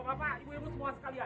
bapak ibu semua sekalian